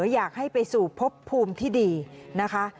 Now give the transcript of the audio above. อยากให้ไปสู่พบภูมิที่ดีนะคะ